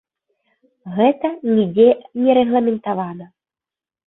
Гэта нідзе не рэгламентавана.